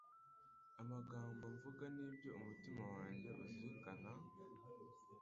Amagambo mvuga n’ibyo umutima wanjye uzirikana